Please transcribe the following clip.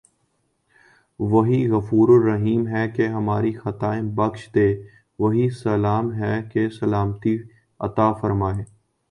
وہی غفورالرحیم ہے کہ ہماری خطائیں بخش دے وہی سلام ہے کہ سلامتی عطافرمائے